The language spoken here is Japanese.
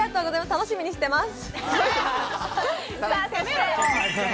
楽しみにしてます。